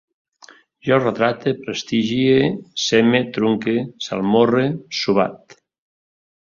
Jo retrate, prestigie, seme, trunque, salmorre, sobat